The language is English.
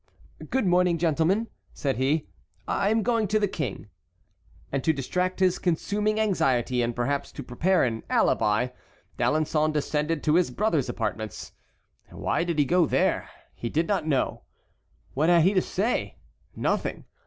"Good morning, gentlemen," said he, "I am going to the King." And to distract his consuming anxiety, and perhaps to prepare an alibi, D'Alençon descended to his brother's apartments. Why did he go there? He did not know. What had he to say? Nothing!